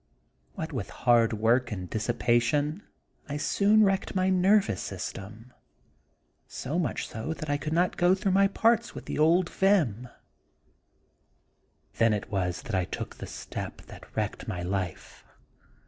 What with hard work and dis sipation I soon wrecked my nervous system, so much so that I could not go through Dr. Jekyll and Mr. Hyde. 29 my parts with the old vim. Then it was that I took the step that wrecked my life.